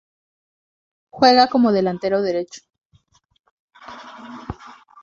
Juega como delantero derecho.